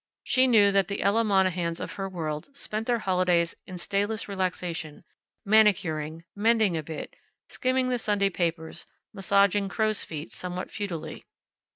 She knew that the Ella Monahans of her world spent their holidays in stayless relaxation, manicuring, mending a bit, skimming the Sunday papers, massaging crows' feet somewhat futilely.